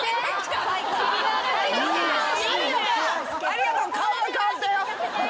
ありがとう。